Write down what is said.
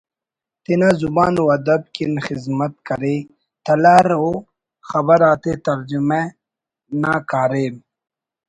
تینا زبان و ادب کن خذمت کرے ”تلار“ او خبر آتے ترجمہ کننگ نا کاریم